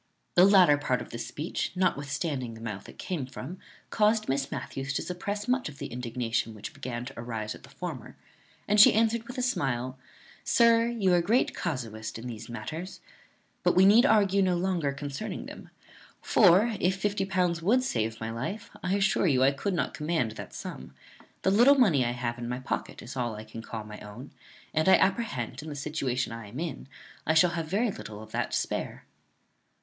The latter part of this speech, notwithstanding the mouth it came from, caused Miss Matthews to suppress much of the indignation which began to arise at the former; and she answered with a smile, "Sir, you are a great casuist in these matters; but we need argue no longer concerning them; for, if fifty pounds would save my life, I assure you I could not command that sum. The little money I have in my pocket is all I can call my own; and I apprehend, in the situation I am in, I shall have very little of that to spare."